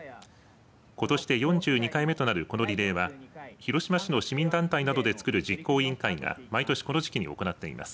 ことしで４２回目となるこのリレーは広島市の市民団体などでつくる実行委員会が毎年この時期に行っています。